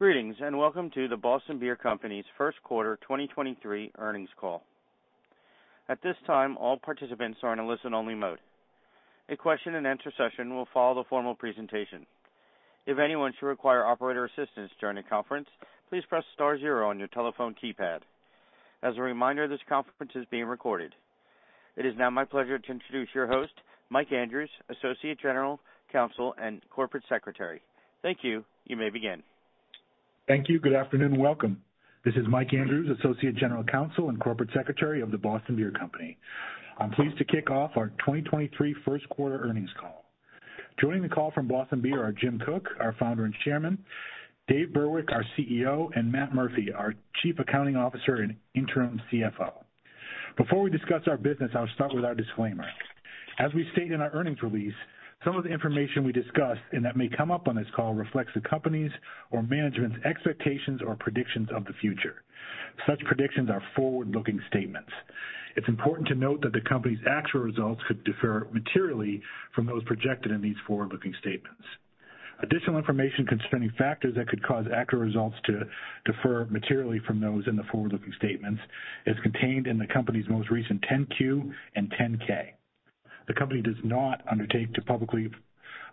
Greetings, and welcome to The Boston Beer Company's first quarter 2023 earnings call. At this time, all participants are in a listen-only mode. A question and answer session will follow the formal presentation. If anyone should require operator assistance during the conference, please press star zero on your telephone keypad. As a reminder, this conference is being recorded. It is now my pleasure to introduce your host, Mike Andrews, Associate General Counsel and Corporate Secretary. Thank you. You may begin. Thank you. Good afternoon, and welcome. This is Mike Andrews, Associate General Counsel and Corporate Secretary of The Boston Beer Company. I'm pleased to kick off our 2023 first quarter earnings call. Joining the call from Boston Beer are Jim Koch, our Founder and Chairman, Dave Burwick, our CEO, and Matt Murphy, our Chief Accounting Officer and Interim CFO. Before we discuss our business, I'll start with our disclaimer. As we state in our earnings release, some of the information we discuss and that may come up on this call reflects the company's or management's expectations or predictions of the future. Such predictions are forward-looking statements. It's important to note that the company's actual results could differ materially from those projected in these forward-looking statements. Additional information concerning factors that could cause accurate results to defer materially from those in the forward-looking statements is contained in the company's most recent 10-Q and 10-K. The company does not undertake to publicly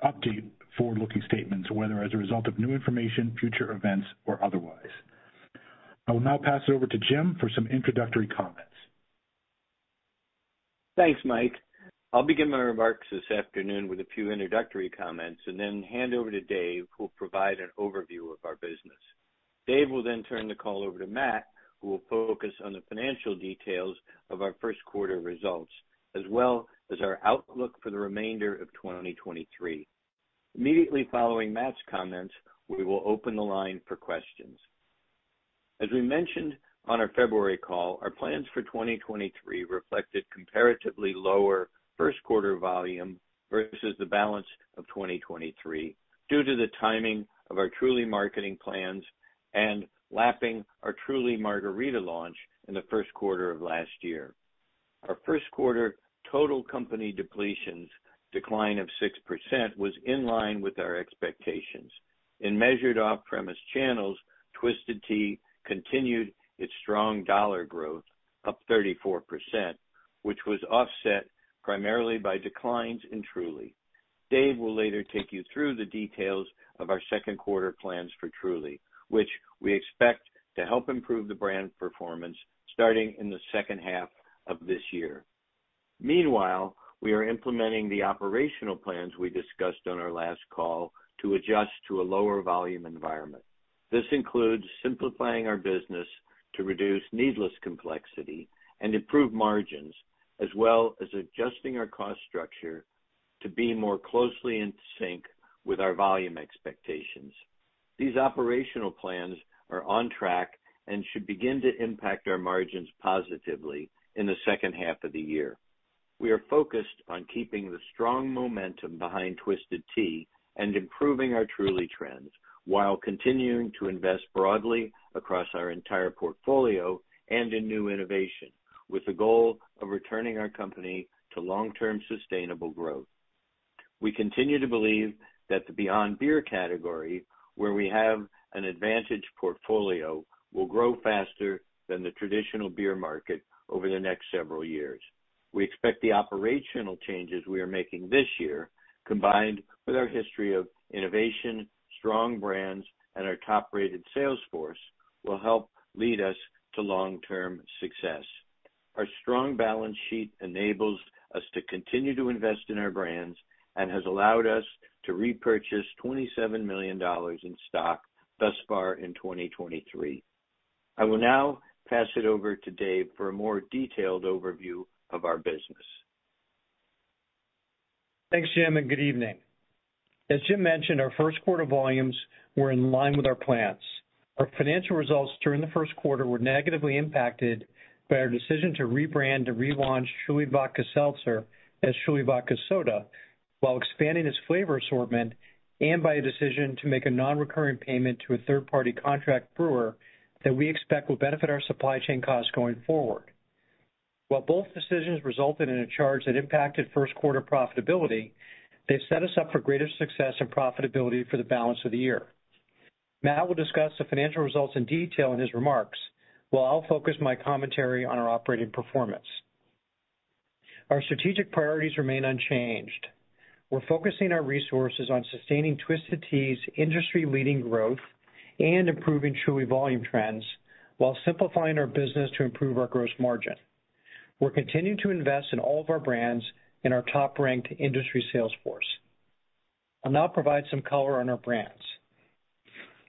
update forward-looking statements, whether as a result of new information, future events, or otherwise. I will now pass it over to Jim for some introductory comments. Thanks, Mike Andrews. I'll begin my remarks this afternoon with a few introductory comments and then hand over to Dave Burwick, who will provide an overview of our business. Dave Burwick will then turn the call over to Matt Murphy, who will focus on the financial details of our first quarter results, as well as our outlook for the remainder of 2023. Immediately following Matt Murphy's comments, we will open the line for questions. As we mentioned on our February call, our plans for 2023 reflected comparatively lower first quarter volume versus the balance of 2023 due to the timing of our Truly marketing plans and lapping our Truly Margarita-Style launch in the first quarter of last year. Our first quarter total company depletions decline of 6% was in line with our expectations. In measured off-premise channels, Twisted Tea continued its strong dollar growth, up 34%, which was offset primarily by declines in Truly. Dave will later take you through the details of our second quarter plans for Truly, which we expect to help improve the brand performance starting in the second half of this year. Meanwhile, we are implementing the operational plans we discussed on our last call to adjust to a lower volume environment. This includes simplifying our business to reduce needless complexity and improve margins, as well as adjusting our cost structure to be more closely in sync with our volume expectations. These operational plans are on track and should begin to impact our margins positively in the second half of the year. We are focused on keeping the strong momentum behind Twisted Tea and improving our Truly trends while continuing to invest broadly across our entire portfolio and in new innovation with the goal of returning our company to long-term sustainable growth. We continue to believe that the Beyond Beer category, where we have an advantage portfolio, will grow faster than the traditional beer market over the next several years. We expect the operational changes we are making this year, combined with our history of innovation, strong brands, and our top-rated sales force will help lead us to long-term success. Our strong balance sheet enables us to continue to invest in our brands and has allowed us to repurchase $27 million in stock thus far in 2023. I will now pass it over to Dave for a more detailed overview of our business. Thanks, Jim. Good evening. As Jim mentioned, our first quarter volumes were in line with our plans. Our financial results during the first quarter were negatively impacted by our decision to rebrand to relaunch Truly Vodka Seltzer as Truly Vodka Soda while expanding its flavor assortment and by a decision to make a non-recurring payment to a third-party contract brewer that we expect will benefit our supply chain costs going forward. While both decisions resulted in a charge that impacted first quarter profitability, they've set us up for greater success and profitability for the balance of the year. Matt will discuss the financial results in detail in his remarks, while I'll focus my commentary on our operating performance. Our strategic priorities remain unchanged. We're focusing our resources on sustaining Twisted Tea's industry-leading growth and improving Truly volume trends while simplifying our business to improve our gross margin. We're continuing to invest in all of our brands in our top-ranked industry sales force. I'll now provide some color on our brands.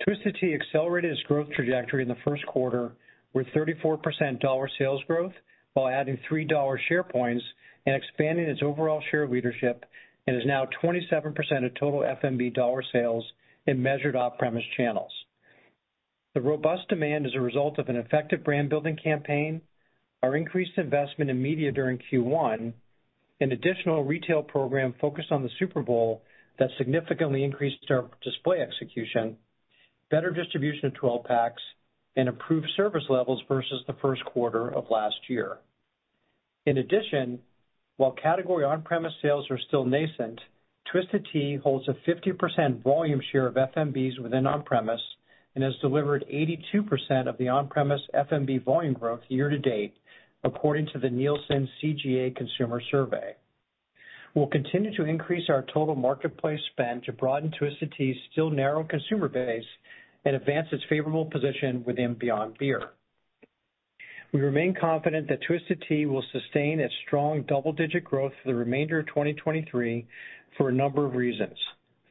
Twisted Tea accelerated its growth trajectory in the first quarter with 34% dollar sales growth while adding 3 dollar share points and expanding its overall share leadership, and is now 27% of total FMB dollar sales in measured off-premise channels. The robust demand is a result of an effective brand building campaign, our increased investment in media during Q1, an additional retail program focused on the Super Bowl that significantly increased our display execution, better distribution of 12 packs, and improved service levels versus the first quarter of last year. While category on-premise sales are still nascent, Twisted Tea holds a 50% volume share of FMBs within on-premise and has delivered 82% of the on-premise FMB volume growth year-to-date, according to the Nielsen CGA Consumer Survey. We'll continue to increase our total marketplace spend to broaden Twisted Tea's still narrow consumer base and advance its favorable position within Beyond Beer. We remain confident that Twisted Tea will sustain its strong double-digit growth for the remainder of 2023 for a number of reasons.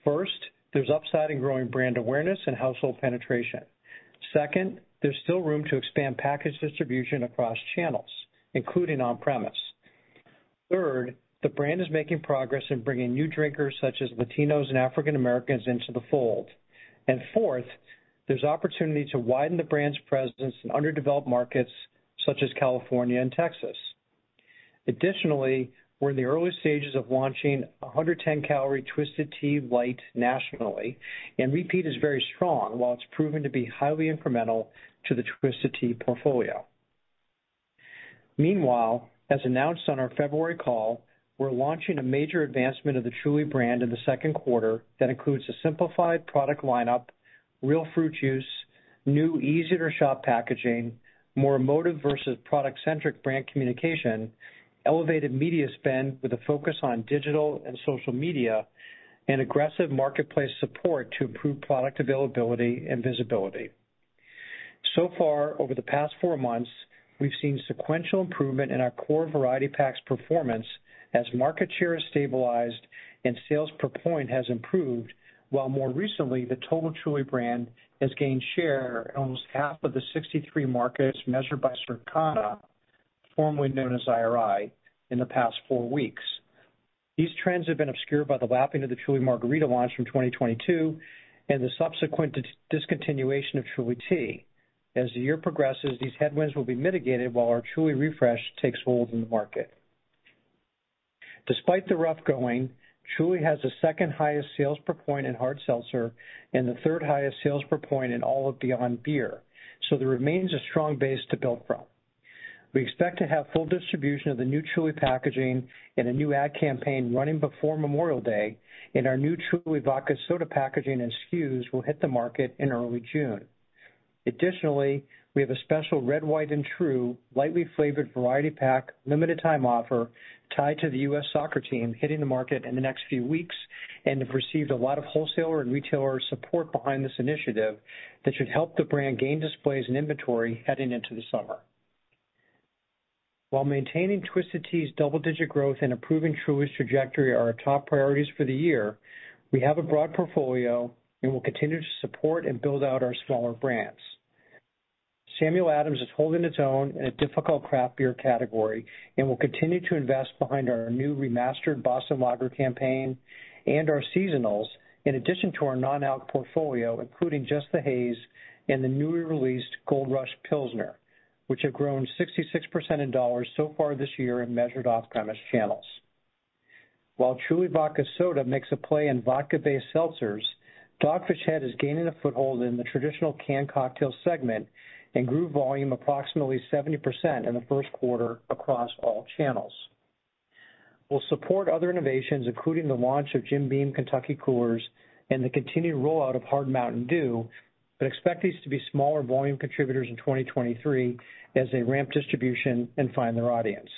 First, there's upside in growing brand awareness and household penetration. Second, there's still room to expand package distribution across channels, including on-premise. Third, the brand is making progress in bringing new drinkers such as Latinos and African Americans into the fold. Fourth, there's opportunity to widen the brand's presence in underdeveloped markets such as California and Texas. We're in the early stages of launching a 110-calorie Twisted Tea Light nationally, and repeat is very strong, while it's proven to be highly incremental to the Twisted Tea portfolio. As announced on our February call, we're launching a major advancement of the Truly brand in the second quarter that includes a simplified product lineup, real fruit juice, new easier to shop packaging, more emotive versus product-centric brand communication, elevated media spend with a focus on digital and social media, and aggressive marketplace support to improve product availability and visibility. So far, over the past 4 months, we've seen sequential improvement in our core variety packs performance as market share has stabilized and sales per point has improved, while more recently, the total Truly brand has gained share in almost half of the 63 markets measured by Circana, formerly known as IRI, in the past 4 weeks. These trends have been obscured by the lapping of the Truly Margarita launch from 2022 and the subsequent discontinuation of Truly Tea. As the year progresses, these headwinds will be mitigated while our Truly refresh takes hold in the market. Despite the rough going, Truly has the second-highest sales per point in Hard Seltzer and the third-highest sales per point in all of Beyond Beer. There remains a strong base to build from. We expect to have full distribution of the new Truly packaging and a new ad campaign running before Memorial Day. Our new Truly Vodka Soda packaging and SKUs will hit the market in early June. Additionally, we have a special Red, White and True lightly flavored variety pack limited time offer tied to the U.S. Soccer team hitting the market in the next few weeks and have received a lot of wholesaler and retailer support behind this initiative that should help the brand gain displays and inventory heading into the summer. While maintaining Twisted Tea's double-digit growth and improving Truly's trajectory are our top priorities for the year, we have a broad portfolio and will continue to support and build out our smaller brands. Samuel Adams is holding its own in a difficult craft beer category and will continue to invest behind our new remastered Boston Lager campaign and our seasonals in addition to our non-alc portfolio, including Just the Haze and the newly released Gold Rush Pilsner, which have grown 66% in dollars so far this year in measured off-premise channels. While Truly Vodka Soda makes a play in vodka-based seltzers, Dogfish Head is gaining a foothold in the traditional canned cocktail segment and grew volume approximately 70% in the first quarter across all channels. We'll support other innovations, including the launch of Jim Beam Kentucky Coolers and the continued rollout of HARD MTN DEW, but expect these to be smaller volume contributors in 2023 as they ramp distribution and find their audience.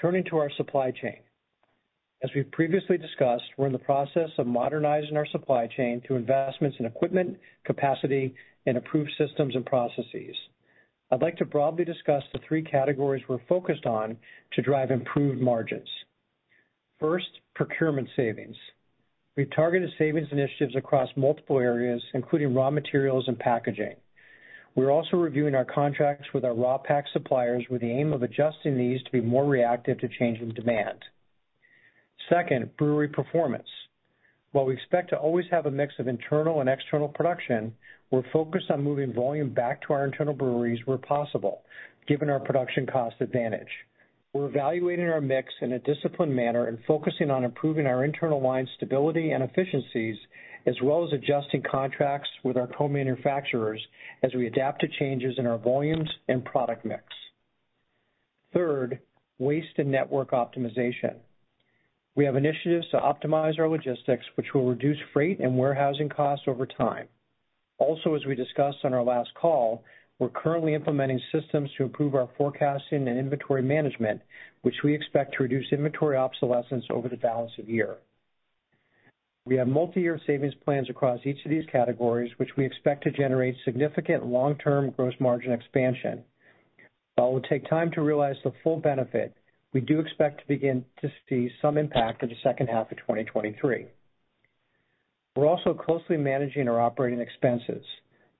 Turning to our supply chain. As we've previously discussed, we're in the process of modernizing our supply chain through investments in equipment, capacity, and improved systems and processes. I'd like to broadly discuss the 3 categories we're focused on to drive improved margins. First, procurement savings. We've targeted savings initiatives across multiple areas, including raw materials and packaging. We're also reviewing our contracts with our raw pack suppliers with the aim of adjusting these to be more reactive to changing demand. Second, brewery performance. While we expect to always have a mix of internal and external production, we're focused on moving volume back to our internal breweries where possible, given our production cost advantage. We're evaluating our mix in a disciplined manner and focusing on improving our internal line stability and efficiencies, as well as adjusting contracts with our co-manufacturers as we adapt to changes in our volumes and product mix. Third, waste and network optimization. We have initiatives to optimize our logistics, which will reduce freight and warehousing costs over time. As we discussed on our last call, we're currently implementing systems to improve our forecasting and inventory management, which we expect to reduce inventory obsolescence over the balance of the year. We have multiyear savings plans across each of these categories, which we expect to generate significant long-term gross margin expansion. It will take time to realize the full benefit, we do expect to begin to see some impact in the second half of 2023. We're also closely managing our operating expenses.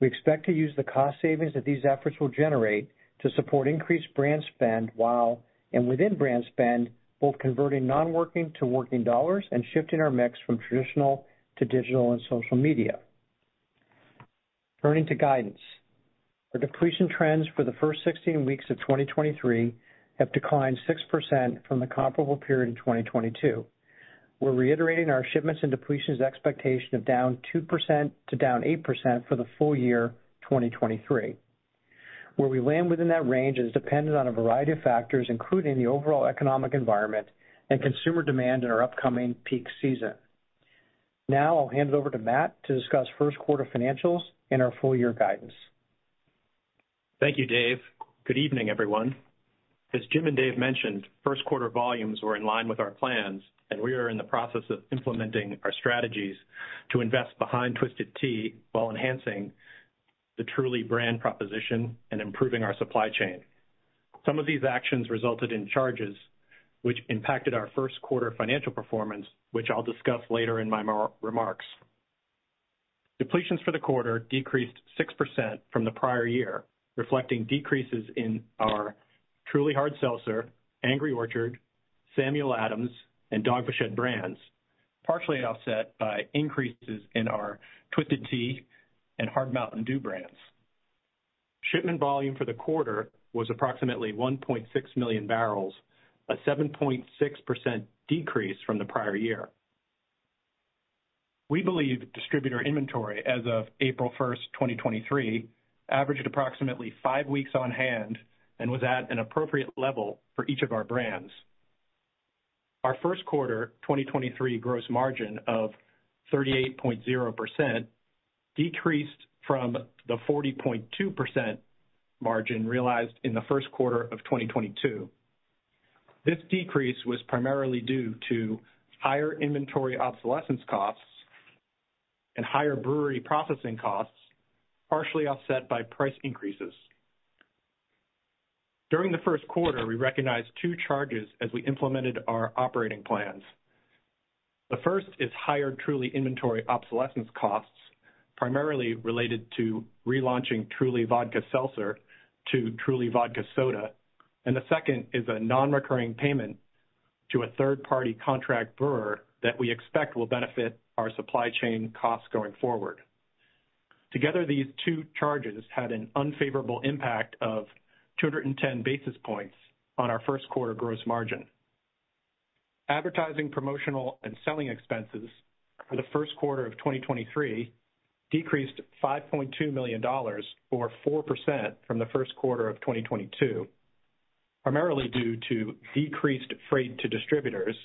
We expect to use the cost savings that these efforts will generate to support increased brand spend while, and within brand spend, both converting non-working to working dollars and shifting our mix from traditional to digital and social media. Turning to guidance. Our depletion trends for the first 16 weeks of 2023 have declined 6% from the comparable period in 2022. We're reiterating our shipments and depletions expectation of down 2% to down 8% for the full year 2023. Where we land within that range is dependent on a variety of factors, including the overall economic environment and consumer demand in our upcoming peak season. I'll hand it over to Matt to discuss first quarter financials and our full year guidance. Thank you, Dave. Good evening, everyone. As Jim and Dave mentioned, first quarter volumes were in line with our plans, and we are in the process of implementing our strategies to invest behind Twisted Tea while enhancing the Truly brand proposition and improving our supply chain. Some of these actions resulted in charges which impacted our first quarter financial performance, which I'll discuss later in my remarks. Depletions for the quarter decreased 6% from the prior year, reflecting decreases in our Truly Hard Seltzer, Angry Orchard, Samuel Adams, and Dogfish Head brands, partially offset by increases in our Twisted Tea and HARD MTN DEW brands. Shipment volume for the quarter was approximately 1.6 million barrels, a 7.6% decrease from the prior year. We believe distributor inventory as of April 1, 2023 averaged approximately 5 weeks on hand and was at an appropriate level for each of our brands. Our first quarter 2023 gross margin of 38.0% decreased from the 40.2% margin realized in the first quarter of 2022. This decrease was primarily due to higher inventory obsolescence costs and higher brewery processing costs, partially offset by price increases. During the first quarter, we recognized 2 charges as we implemented our operating plans. The first is higher Truly inventory obsolescence costs, primarily related to relaunching Truly Vodka Seltzer to Truly Vodka Soda, and the second is a non-recurring payment to a third-party contract brewer that we expect will benefit our supply chain costs going forward. Together, these two charges had an unfavorable impact of 210 basis points on our first quarter gross margin. Advertising, promotional, and selling expenses for the first quarter of 2023 decreased $5.2 million or 4% from the first quarter of 2022, primarily due to decreased freight to distributors,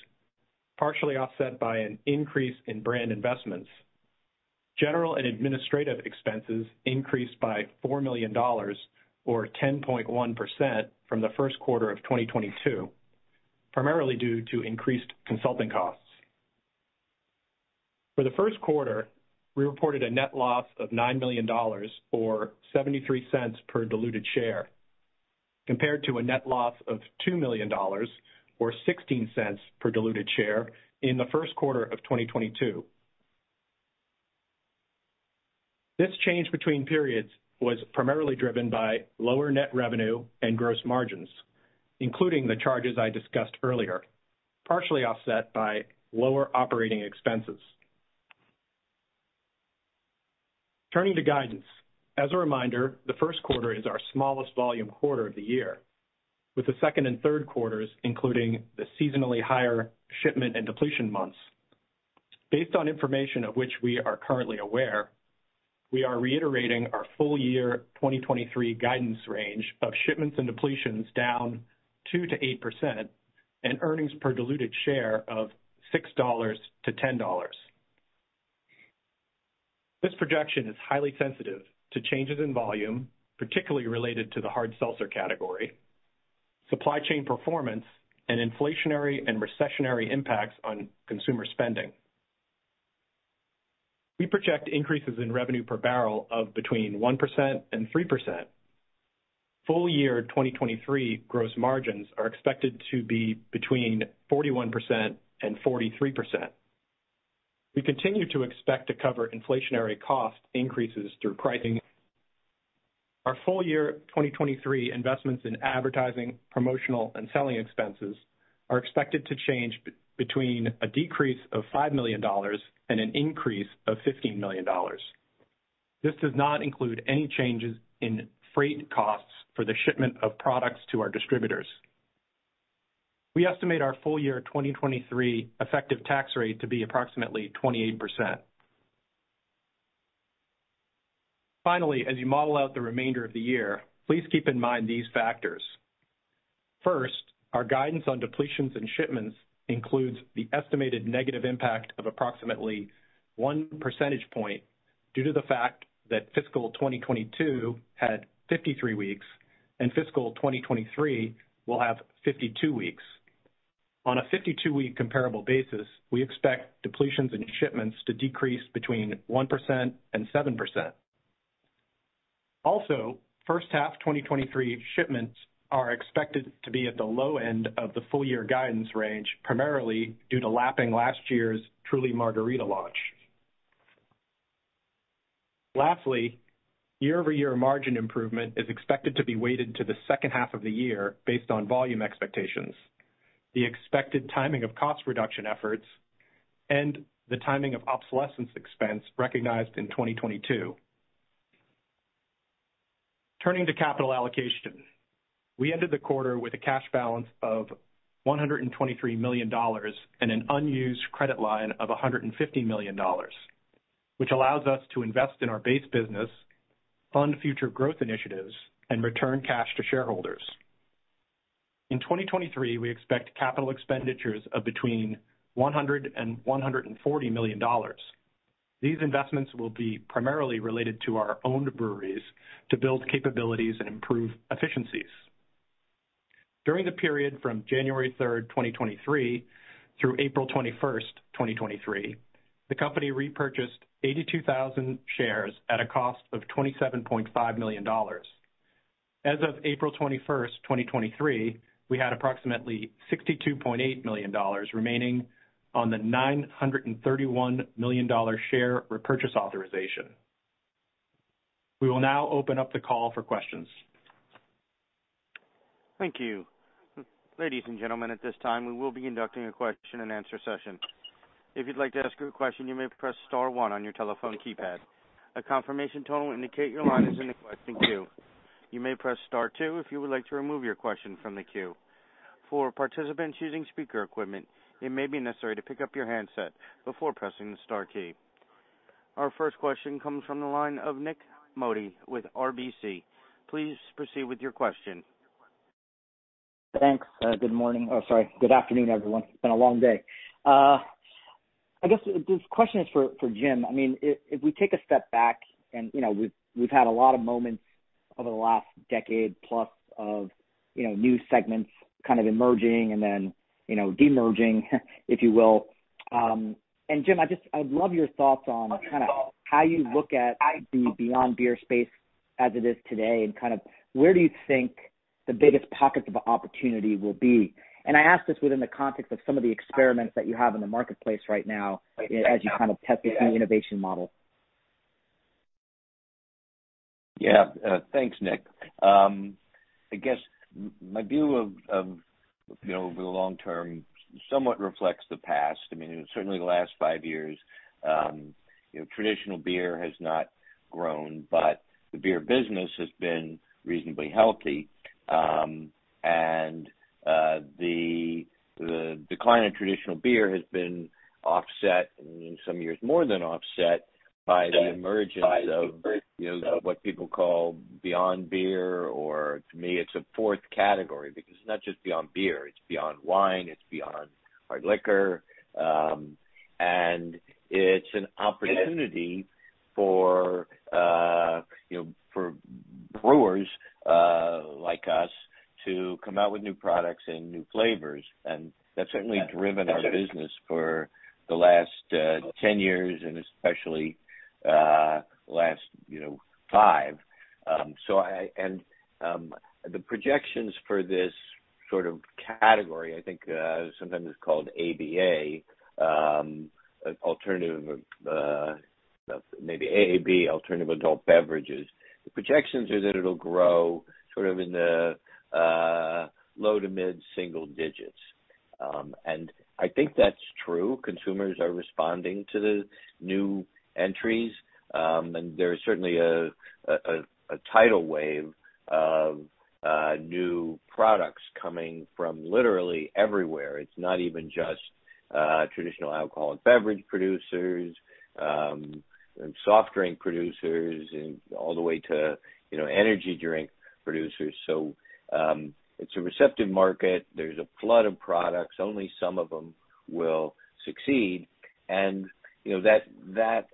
partially offset by an increase in brand investments. General and administrative expenses increased by $4 million or 10.1% from the first quarter of 2022, primarily due to increased consulting costs. For the first quarter, we reported a net loss of $9 million or $0.73 per diluted share, compared to a net loss of $2 million or $0.16 per diluted share in the first quarter of 2022. This change between periods was primarily driven by lower net revenue and gross margins, including the charges I discussed earlier, partially offset by lower operating expenses. Turning to guidance. As a reminder, the first quarter is our smallest volume quarter of the year, with the second and third quarters including the seasonally higher shipment and depletion months. Based on information of which we are currently aware, we are reiterating our full year 2023 guidance range of shipments and depletions down 2%-8% and earnings per diluted share of $6-$10. This projection is highly sensitive to changes in volume, particularly related to the Hard Seltzer category, supply chain performance, and inflationary and recessionary impacts on consumer spending. We project increases in revenue per barrel of between 1% and 3%. Full year 2023 gross margins are expected to be between 41% and 43%. We continue to expect to cover inflationary cost increases through pricing. Our full year 2023 investments in advertising, promotional, and selling expenses are expected to change between a decrease of $5 million and an increase of $15 million. This does not include any changes in freight costs for the shipment of products to our distributors. We estimate our full year 2023 effective tax rate to be approximately 28%. Finally, as you model out the remainder of the year, please keep in mind these factors. First, our guidance on depletions and shipments includes the estimated negative impact of approximately 1 percentage point due to the fact that fiscal 2022 had 53 weeks and fiscal 2023 will have 52 weeks. On a 52-week comparable basis, we expect depletions and shipments to decrease between 1% and 7%. First half 2023 shipments are expected to be at the low end of the full year guidance range, primarily due to lapping last year's Truly Margarita-Style launch. Year-over-year margin improvement is expected to be weighted to the second half of the year based on volume expectations, the expected timing of cost reduction efforts, and the timing of obsolescence expense recognized in 2022. Turning to capital allocation. We ended the quarter with a cash balance of $123 million and an unused credit line of $150 million, which allows us to invest in our base business, fund future growth initiatives, and return cash to shareholders. In 2023, we expect capital expenditures of between $100 million and $140 million. These investments will be primarily related to our owned breweries to build capabilities and improve efficiencies. During the period from January 3, 2023, through April 21, 2023, the company repurchased 82,000 shares at a cost of $27.5 million. As of April 21, 2023, we had approximately $62.8 million remaining on the $931 million share repurchase authorization. We will now open up the call for questions. Thank you. Ladies and gentlemen, at this time, we will be conducting a question and answer session. If you'd like to ask a question, you may press star one on your telephone keypad. A confirmation tone will indicate your line is in the question queue. You may press star two if you would like to remove your question from the queue. For participants using speaker equipment, it may be necessary to pick up your handset before pressing the star key. Our first question comes from the line of Nik Modi with RBC. Please proceed with your question. Thanks. Good morning. Oh, sorry. Good afternoon, everyone. It's been a long day. I guess this question is for Jim. I mean, if we take a step back and, you know, we've had a lot of moments over the last decade plus of, you know, new segments kind of emerging and then, you know, de-merging, if you will. Jim, I'd love your thoughts on kind of how you look at the Beyond Beer space as it is today, and kind of where do you think the biggest pockets of opportunity will be? I ask this within the context of some of the experiments that you have in the marketplace right now as you kind of test this new innovation model. Yeah. Thanks, Nik. I guess my view of, you know, over the long term somewhat reflects the past. I mean, certainly the last five years, you know, traditional beer has not grown, but the beer business has been reasonably healthy. The decline of traditional beer has been offset, in some years more than offset, by the emergence of, you know, what people call Beyond Beer, or to me, it's a fourth category because it's not just Beyond Beer, it's beyond wine, it's beyond hard liquor. It's an opportunity for, you know, for brewers like us to come out with new products and new flavors. That's certainly driven our business for the last 10 years and especially, last, you know, five. The projections for this sort of category, I think, sometimes it's called ABA, alternative, maybe AAB, alternative adult beverages. The projections are that it'll grow sort of in the low to mid single digits. I think that's true. Consumers are responding to the new entries, there's certainly a tidal wave of new products coming from literally everywhere. It's not even just traditional alcoholic beverage producers, and soft drink producers and all the way to, you know, energy drink producers. It's a receptive market. There's a flood of products. Only some of them will succeed. You know, that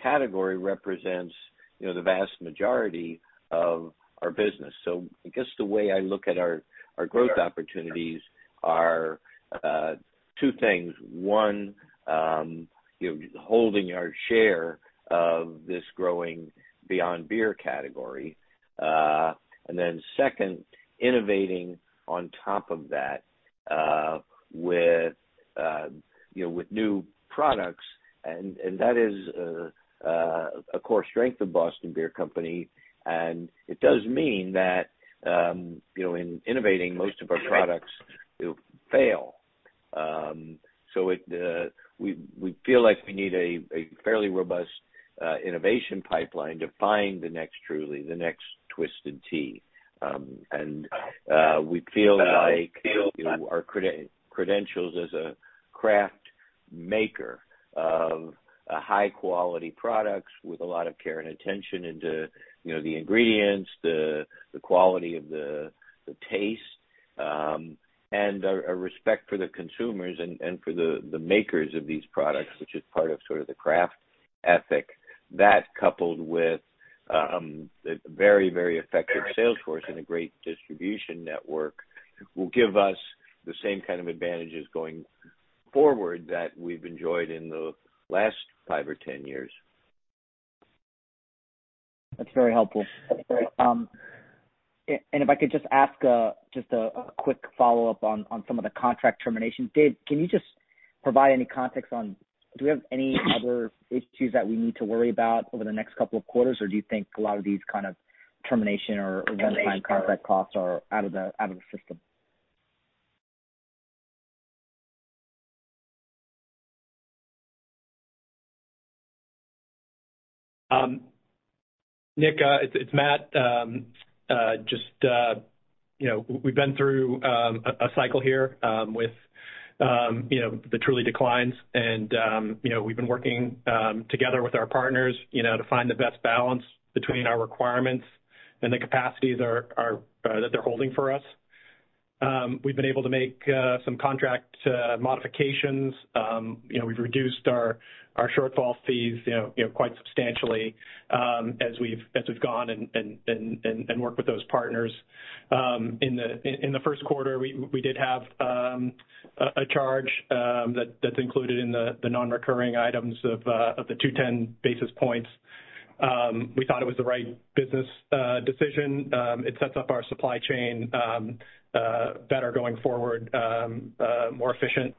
category represents, you know, the vast majority of our business. I guess the way I look at our growth opportunities are two things. One, you know, holding our share of this growing Beyond Beer category. Then second, innovating on top of that, with, you know, with new products and that is a core strength of Boston Beer Company. It does mean that, you know, in innovating most of our products will fail. It, we feel like we need a fairly robust innovation pipeline to find the next Truly, the next Twisted Tea. We feel like our credentials as a craft maker of high-quality products with a lot of care and attention into, you know, the ingredients, the quality of the taste, and a respect for the consumers and for the makers of these products, which is part of sort of the craft ethic. That coupled with a very, very effective sales force and a great distribution network will give us the same kind of advantages going forward that we've enjoyed in the last 5 or 10 years. That's very helpful. If I could just ask, just a quick follow-up on some of the contract terminations. Dave, can you just provide any context on do we have any other issues that we need to worry about over the next couple of quarters? Or do you think a lot of these kind of termination or one-time contract costs are out of the system? Nik, it's Matt. you know, we've been through a cycle here, with, you know, the Truly declines and, you know, we've been working together with our partners, you know, to find the best balance between our requirements and the capacities that they're holding for us. We've been able to make some contract modifications. you know, we've reduced our shortfall fees, you know, quite substantially, as we've gone and worked with those partners. In the first quarter, we did have a charge that's included in the non-recurring items of the 210 basis points. We thought it was the right business decision. It sets up our supply chain better going forward, more efficient.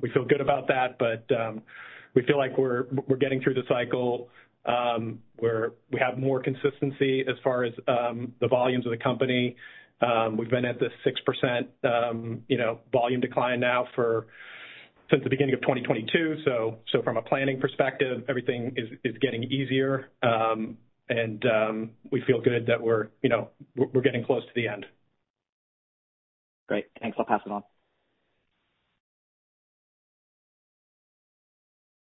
We feel good about that, but, we feel like we're getting through the cycle. We have more consistency as far as the volumes of the company. We've been at the 6%, you know, volume decline now for... since the beginning of 2022. From a planning perspective, everything is getting easier. We feel good that we're, you know, we're getting close to the end. Great. Thanks. I'll pass it on.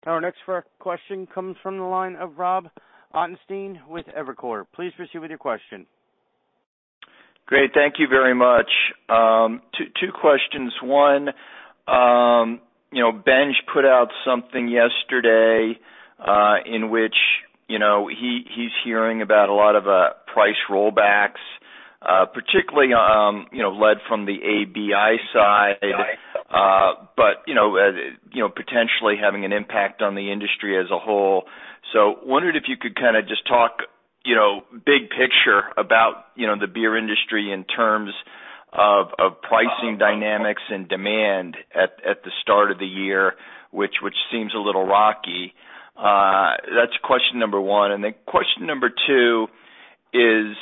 Our next question comes from the line of Rob Ottenstein with Evercore. Please proceed with your question. Great. Thank you very much. 2 questions. One, you know, Benj put out something yesterday, in which, you know, he's hearing about a lot of price rollbacks, particularly, you know, led from the ABI side, you know, as, you know, potentially having an impact on the industry as a whole. Wondered if you could kind of just talk, you know, big picture about, you know, the beer industry in terms of pricing dynamics and demand at the start of the year, which seems a little rocky? That's question number 1. Question number 2 is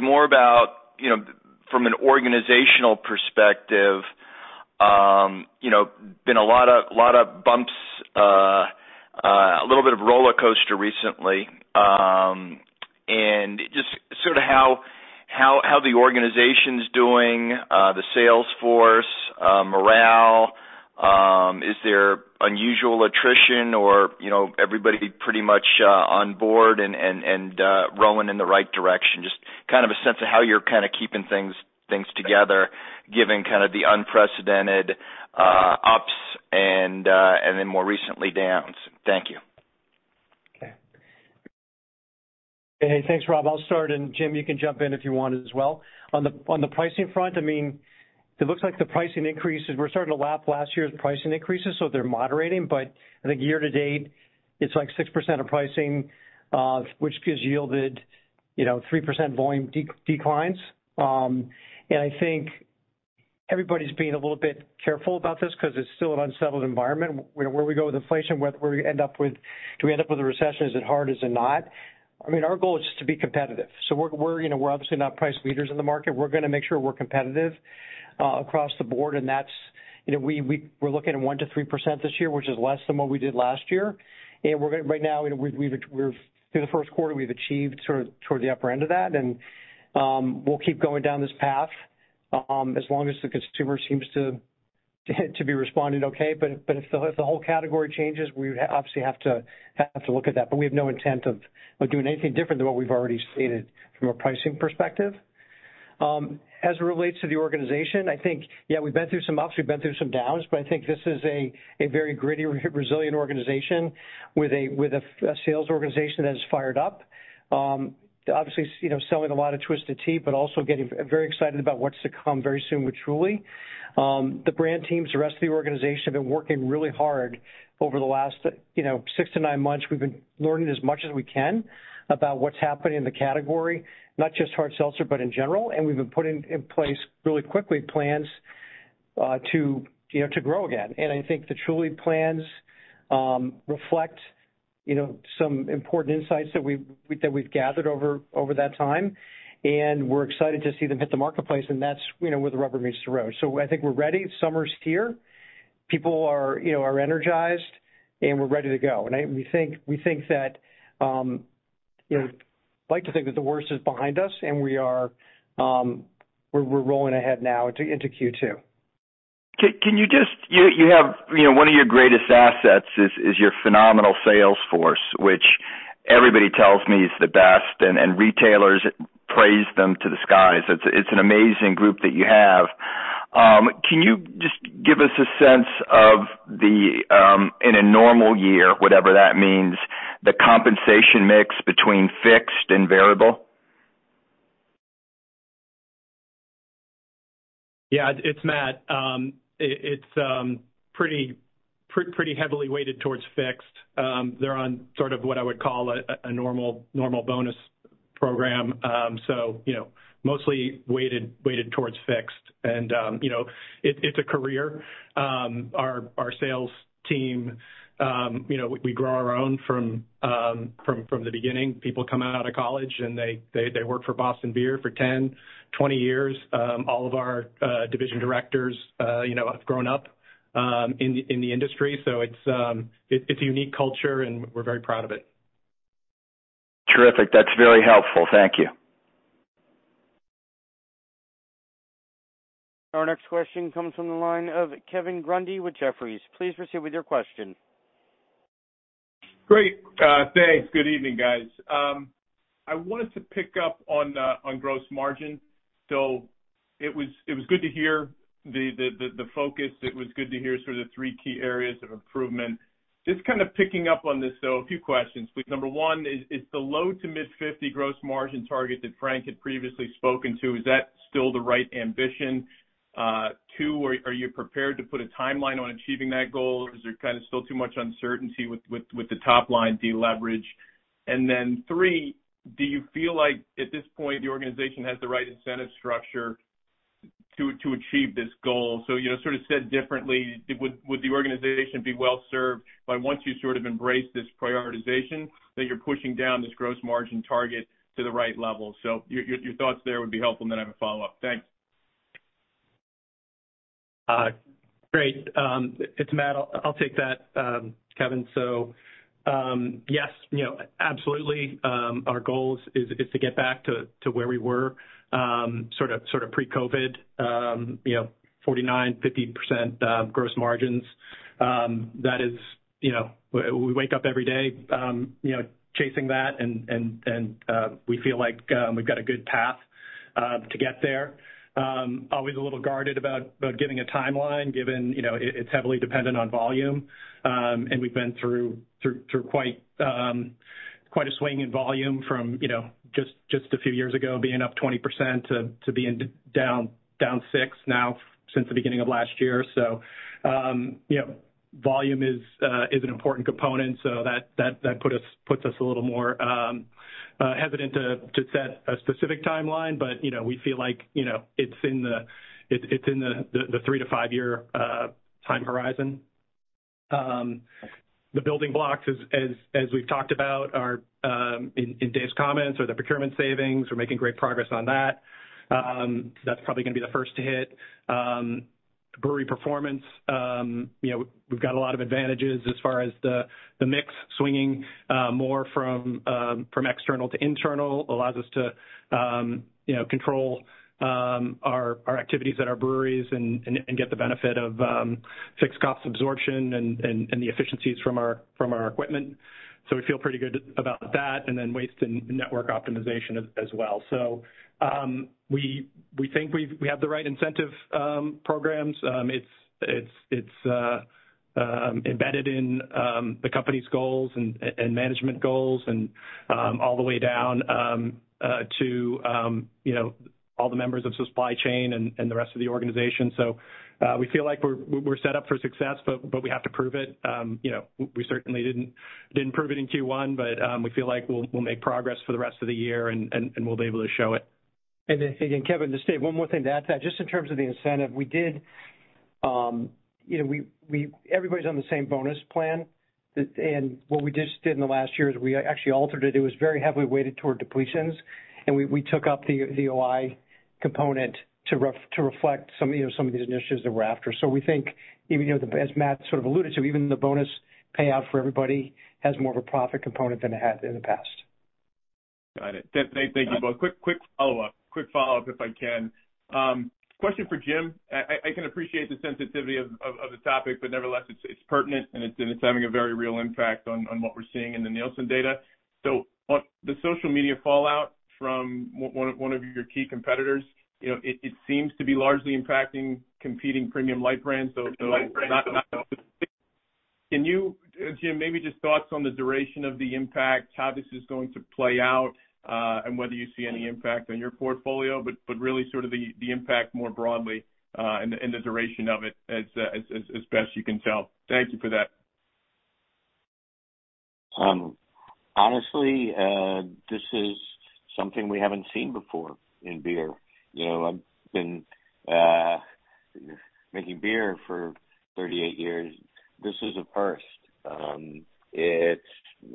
more about, you know, from an organizational perspective, you know, been a lot of bumps, a little bit of rollercoaster recently. Just sort of how the organization's doing, the sales force, morale, is there unusual attrition or, you know, everybody pretty much on board and rowing in the right direction? Just kind of a sense of how you're kind of keeping things together given kind of the unprecedented ups and then more recently downs. Thank you. Okay. Hey, thanks, Rob. I'll start. Jim, you can jump in if you want as well. On the pricing front, I mean, it looks like the pricing increases, we're starting to lap last year's pricing increases, so they're moderating. I think year-to-date, it's like 6% of pricing, which has yielded, you know, 3% volume declines. I think everybody's being a little bit careful about this 'cause it's still an unsettled environment where do we go with inflation, whether we end up with a recession? Is it hard? Is it not? I mean, our goal is just to be competitive. We're, you know, we're obviously not price leaders in the market. We're gonna make sure we're competitive across the board. That's, you know, we're looking at 1% to 3% this year, which is less than what we did last year. Right now, you know, through the first quarter, we've achieved sort of toward the upper end of that. We'll keep going down this path as long as the consumer seems to be responding okay. If the whole category changes, we would obviously have to look at that. We have no intent of doing anything different than what we've already stated from a pricing perspective. As it relates to the organization, I think, yeah, we've been through some ups, we've been through some downs, but I think this is a very gritty, resilient organization with a sales organization that is fired up. Obviously, you know, selling a lot of Twisted Tea, but also getting very excited about what's to come very soon with Truly. The brand teams, the rest of the organization have been working really hard over the last, you know, 6 to 9 months. We've been learning as much as we can about what's happening in the category, not just Hard Seltzer, but in general. We've been putting in place really quickly plans, to, you know, to grow again. I think the Truly plans, reflect, you know, some important insights that we've, that we've gathered over that time, and we're excited to see them hit the marketplace, and that's, you know, where the rubber meets the road. I think we're ready. Summer's here. People are, you know, are energized, and we're ready to go. We think that, you know, like to think that the worst is behind us and we are, we're rolling ahead now into Q2. Can you just. You have, you know, one of your greatest assets is your phenomenal sales force, which everybody tells me is the best, and retailers praise them to the skies. It's an amazing group that you have. Can you just give us a sense of the in a normal year, whatever that means, the compensation mix between fixed and variable? Yeah, it's Matt. It's pretty heavily weighted towards fixed. They're on sort of what I would call a normal bonus program. You know, mostly weighted towards fixed. You know, it's a career. Our sales team, you know, we grow our own from the beginning. People come out of college, and they work for Boston Beer for 10, 20 years. All of our division directors, you know, have grown up in the industry. It's a unique culture, and we're very proud of it. Terrific. That's very helpful. Thank you. Our next question comes from the line of Kevin Grundy with Jefferies. Please proceed with your question. Great. Thanks. Good evening, guys. I wanted to pick up on gross margin. It was good to hear the focus. It was good to hear sort of three key areas of improvement. Just kind of picking up on this, so a few questions. Number 1, is the low to mid 50% gross margin target that Frank had previously spoken to, is that still the right ambition? 2, are you prepared to put a timeline on achieving that goal, or is there kind of still too much uncertainty with the top line deleverage? Then 3, do you feel like at this point, the organization has the right incentive structure to achieve this goal? You know, sort of said differently, would the organization be well-served by once you sort of embrace this prioritization that you're pushing down this gross margin target to the right level? Your thoughts there would be helpful, and then I have a follow-up. Thanks. Great. It's Matt. I'll take that, Kevin. Yes, you know, absolutely, our goal is to get back to where we were, sort of pre-COVID, you know, 49%-50% gross margins. That is, you know, we wake up every day, you know, chasing that and we feel like we've got a good path to get there. Always a little guarded about giving a timeline given, you know, it's heavily dependent on volume. We've been through quite a swing in volume from, you know, just a few years ago being up 20% to being down 6% now since the beginning of last year. You know, volume is an important component, so that puts us a little more hesitant to set a specific timeline. You know, we feel like, you know, it's in the 3 to 5 year time horizon. The building blocks as we've talked about are in Dave's comments are the procurement savings. We're making great progress on that. That's probably gonna be the first to hit. Brewery performance, you know, we've got a lot of advantages as far as the mix swinging, more from external to internal, allows us to, you know, control our activities at our breweries and get the benefit of fixed cost absorption and the efficiencies from our equipment. So we feel pretty good about that, and then waste and network optimization as well. We think we have the right incentive programs. It's embedded in the company's goals and management goals and all the way down to, you know, all the members of supply chain and the rest of the organization. We feel like we're set up for success, but we have to prove it. You know, we certainly didn't prove it in Q1, but we feel like we'll make progress for the rest of the year and we'll be able to show it. Again, Kevin, just to state one more thing to add to that, just in terms of the incentive, we did, you know, everybody's on the same bonus plan. What we just did in the last year is we actually altered it. It was very heavily weighted toward depletions, and we took up the OI component to reflect some, you know, some of these initiatives that we're after. We think even, you know, as Matt sort of alluded to, even the bonus payout for everybody has more of a profit component than it had in the past. Got it. Thank you both. Quick follow-up, if I can. Question for Jim. I can appreciate the sensitivity of the topic, but nevertheless, it's pertinent, and it's having a very real impact on what we're seeing in the Nielsen data. On the social media fallout from one of your key competitors, you know, it seems to be largely impacting competing premium light brands. Can you, Jim, maybe just thoughts on the duration of the impact, how this is going to play out, and whether you see any impact on your portfolio? Really sort of the impact more broadly, and the duration of it as best you can tell. Thank you for that. Honestly, this is something we haven't seen before in beer. You know, I've been making beer for 38 years. This is a first. It's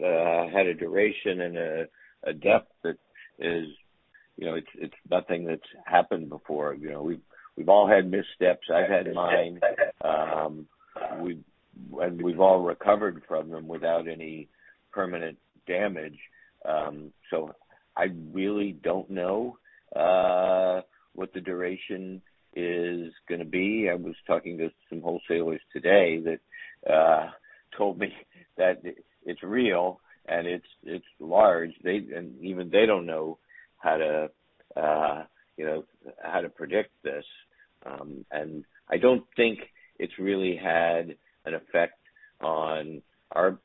had a duration and a depth that is, you know, it's nothing that's happened before. You know, we've all had missteps. I've had mine. We've all recovered from them without any permanent damage. I really don't know what the duration is gonna be. I was talking to some wholesalers today that told me that it's real and it's large. Even they don't know how to, you know, how to predict this. I don't think it's really had an effect on our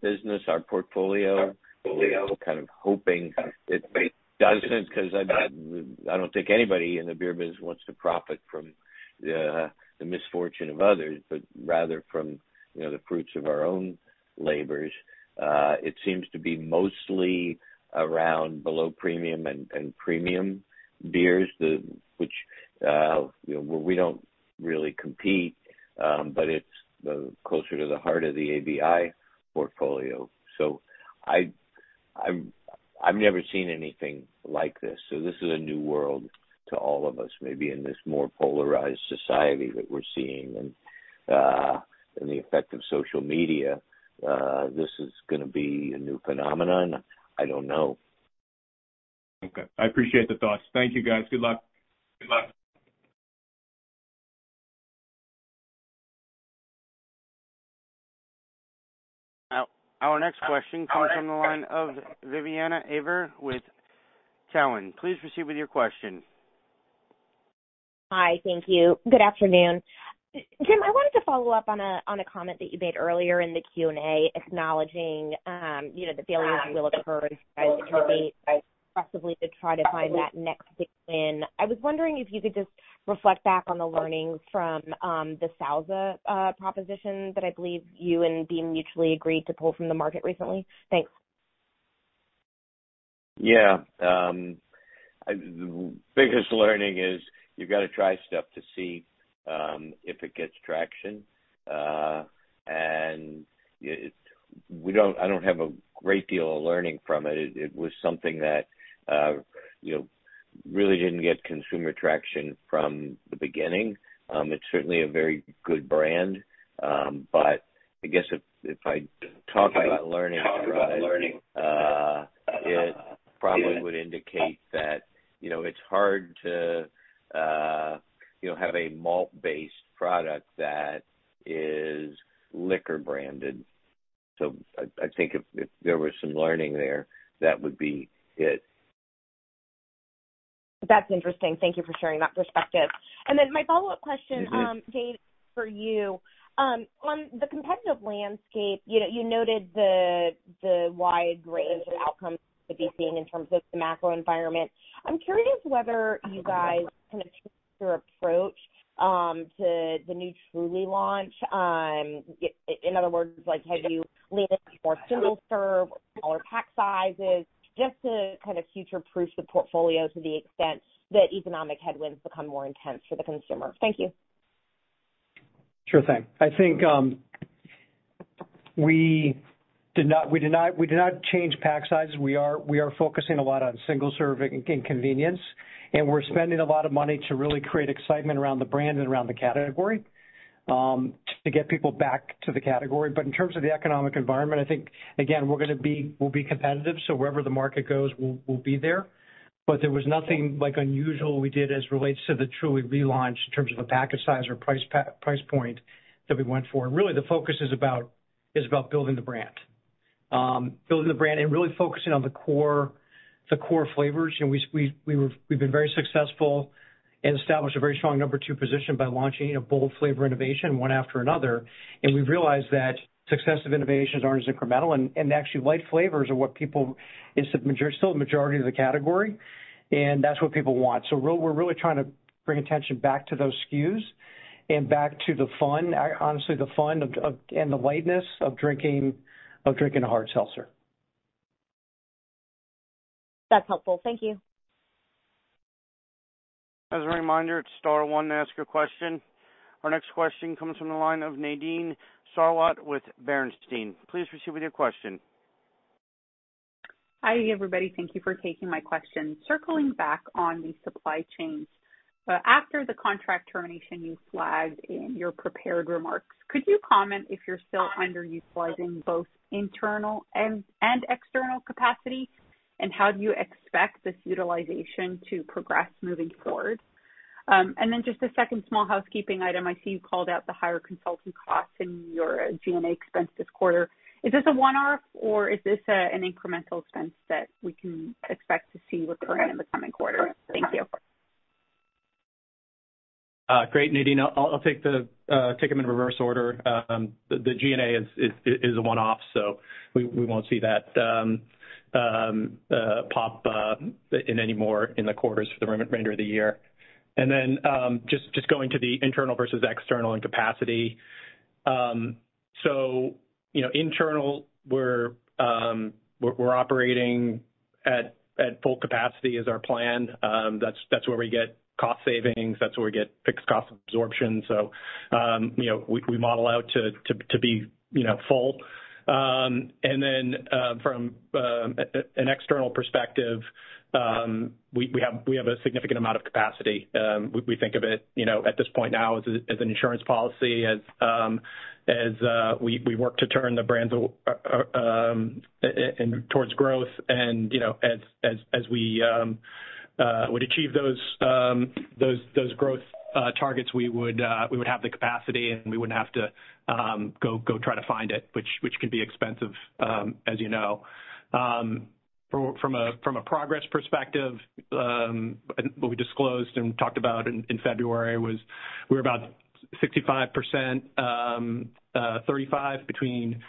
business, our portfolio. We're kind of hoping it doesn't, 'cause I don't think anybody in the beer business wants to profit from the misfortune of others, but rather from, you know, the fruits of our own labors. It seems to be mostly around below premium and premium beers, the which, you know, we don't really compete. It's closer to the heart of the ABI portfolio. I've never seen anything like this. This is a new world to all of us, maybe in this more polarized society that we're seeing. The effect of social media, this is gonna be a new phenomenon. I don't know. Okay. I appreciate the thoughts. Thank you, guys. Good luck. Good luck. Our next question comes from the line of Vivien Azer with Cowen. Please proceed with your question. Hi. Thank you. Good afternoon. Jim, I wanted to follow up on a comment that you made earlier in the Q&A, acknowledging, you know, the failures of [Willa Perl] as you try to find that next big win. I was wondering if you could just reflect back on the learnings from the Sauza proposition that I believe you and Beam mutually agreed to pull from the market recently. Thanks. Yeah. The biggest learning is you gotta try stuff to see if it gets traction. We don't, I don't have a great deal of learning from it. It was something that, you know, really didn't get consumer traction from the beginning. It's certainly a very good brand. I guess if I talk about learning, it probably would indicate that, you know, it's hard to, you know, have a malt-based product that is liquor branded. I think if there was some learning there, that would be it. That's interesting. Thank you for sharing that perspective. My follow-up question- Mm-hmm. Dave, for you. On the competitive landscape, you know, you noted the wide range of outcomes that you've seen in terms of the macro environment. I'm curious whether you guys kind of changed your approach to the new Truly launch. In other words, like, have you leaned more single-serve, smaller pack sizes just to kind of future-proof the portfolio to the extent that economic headwinds become more intense for the consumer? Thank you. Sure thing. I think we did not change pack sizes. We are focusing a lot on single serve and convenience, and we're spending a lot of money to really create excitement around the brand and around the category to get people back to the category. In terms of the economic environment, I think again, we'll be competitive, so wherever the market goes, we'll be there. There was nothing like unusual we did as relates to the Truly relaunch in terms of a package size or price point that we went for. The focus is about building the brand. Building the brand and really focusing on the core flavors. You know, we've been very successful and established a very strong number two position by launching a bold flavor innovation one after another. We've realized that successive innovations aren't as incremental and actually light flavors are still the majority of the category, and that's what people want. We're really trying to bring attention back to those SKUs and back to the fun, honestly, the fun of, and the lightness of drinking a Hard Seltzer. That's helpful. Thank you. As a reminder, it's star one to ask a question. Our next question comes from the line of Nadine Sarwat with Bernstein. Please proceed with your question. Hi, everybody. Thank you for taking my question. Circling back on the supply chains. After the contract termination you flagged in your prepared remarks, could you comment if you're still underutilizing both internal and external capacity, and how do you expect this utilization to progress moving forward? Then just a second small housekeeping item. I see you called out the higher consultant costs in your G&A expense this quarter. Is this a one-off or is this an incremental expense that we can expect to see recurring in the coming quarters? Thank you. Great, Nadine. I'll take the take them in reverse order. The G&A is a one-off, so we won't see that pop in any more in the quarters for the remainder of the year. Just going to the internal versus external and capacity. You know, internal, we're operating at full capacity is our plan. That's where we get cost savings. That's where we get fixed cost absorption. You know, we model out to be, you know, full. From an external perspective, we have a significant amount of capacity. We think of it, you know, at this point now as an insurance policy as we work to turn the brands towards growth. You know, as we would achieve those growth targets, we would have the capacity and we wouldn't have to go try to find it, which can be expensive, as you know. From a progress perspective, what we disclosed and talked about in February was we're about 65%, 35% between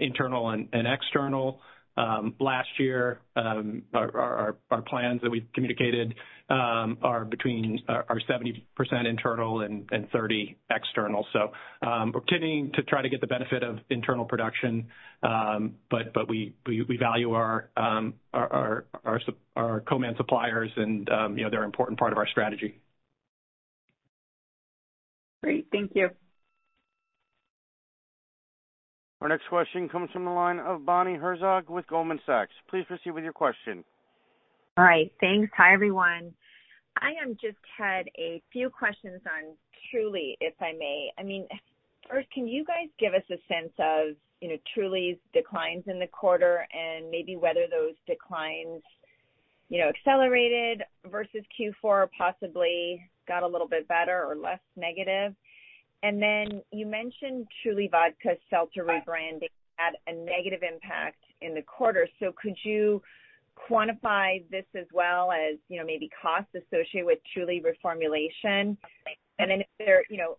internal and external. Last year, our plans that we communicated are 70% internal and 30% external. We're continuing to try to get the benefit of internal production. We value our co-man suppliers and, you know, they're an important part of our strategy. Great. Thank you. Our next question comes from the line of Bonnie Herzog with Goldman Sachs. Please proceed with your question. All right. Thanks. Hi, everyone. I just had a few questions on Truly, if I may. I mean, first, can you guys give us a sense of, you know, Truly's declines in the quarter and maybe whether those declines, you know, accelerated versus Q4 possibly got a little bit better or less negative? You mentioned Truly Vodka Seltzer rebranding had a negative impact in the quarter. Could you quantify this as well as, you know, maybe costs associated with Truly reformulation? If there, you know,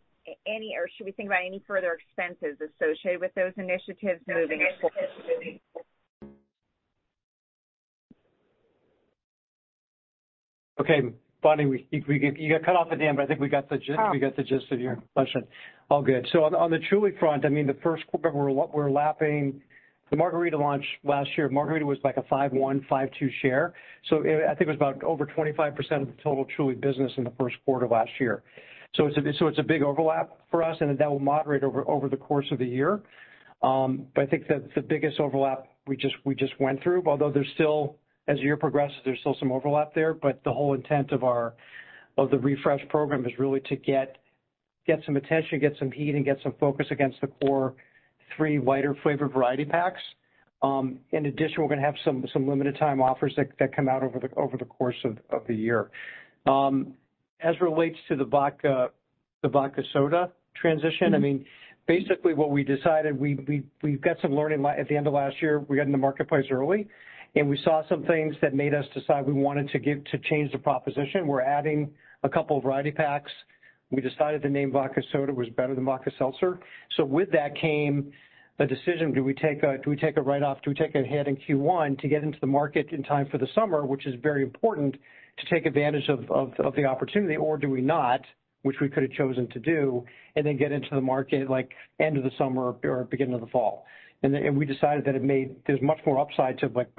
or should we think about any further expenses associated with those initiatives moving forward? Okay. Bonnie, You got cut off at the end, but I think we got the gist- Oh. We got the gist of your question. All good. On the Truly front, I mean, the first quarter we're lapping the Margarita launch last year. Margarita was like a 5.1, 5.2 share. I think it was about over 25% of the total Truly business in the first quarter of last year. It's a big overlap for us, and that will moderate over the course of the year. I think that the biggest overlap we just went through, although as the year progresses, there's still some overlap there. The whole intent of the refresh program is really to get some attention, get some heat, and get some focus against the core 3 wider flavor variety packs. In addition, we're gonna have some limited time offers that come out over the course of the year. As relates to the vodka soda transition, I mean, basically what we decided, we've got some learning. At the end of last year, we got in the marketplace early, and we saw some things that made us decide we wanted to change the proposition. We're adding a couple variety packs. We decided the name vodka soda was better than vodka seltzer. With that came a decision. Do we take a write off? Do we take it ahead in Q1 to get into the market in time for the summer, which is very important to take advantage of the opportunity or do we not, which we could have chosen to do, and then get into the market like end of the summer or beginning of the fall? We decided that there's much more upside to like,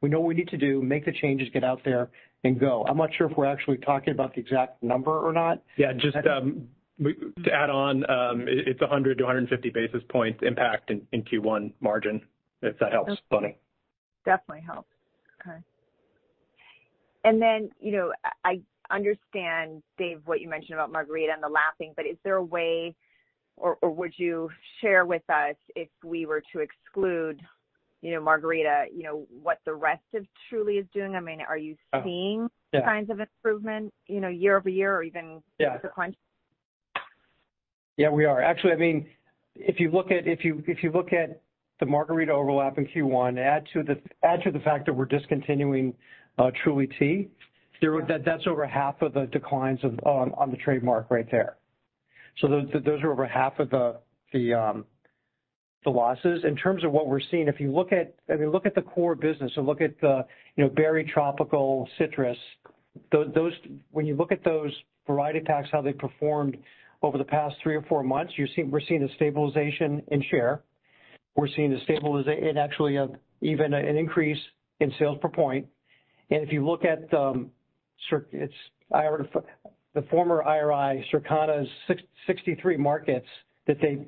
we know what we need to do, make the changes, get out there and go. I'm not sure if we're actually talking about the exact number or not. Just, to add on, it's 100 to 150 basis points impact in Q1 margin, if that helps, Bonnie. Definitely helps. Okay. You know, I understand, Dave, what you mentioned about margarita and the lapping, but is there a way or would you share with us if we were to exclude, you know, margarita, you know, what the rest of Truly is doing? I mean, are you seeing... Oh, yeah. signs of improvement, you know, year-over-year. Yeah... with the client? Yeah, we are. Actually, I mean, if you look at, if you look at the margarita overlap in Q1, add to the fact that we're discontinuing Truly Tea, that's over half of the declines on the trademark right there. Those are over half of the losses. In terms of what we're seeing, if you look at, I mean, look at the core business and look at the, you know, berry, tropical, citrus, when you look at those variety packs, how they performed over the past 3 or 4 months, we're seeing a stabilization in share. We're seeing a stabilization and actually, even an increase in sales per point. If you look at, it's the former IRI, Circana's 63 markets that they